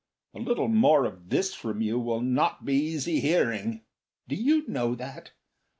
A little more of this from you will not be easy hearing. Do you know that?